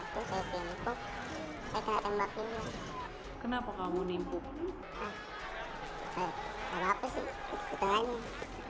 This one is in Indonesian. kemudian saya di klinik tuh